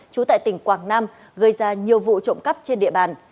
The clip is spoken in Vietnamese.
trú tại tỉnh quảng nam gây ra nhiều vụ trộm cắp trên địa bàn